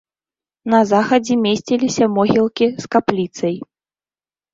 На захадзе месціліся могілкі з капліцай.